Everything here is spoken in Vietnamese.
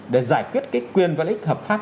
để giải quyết quyền và lý hợp pháp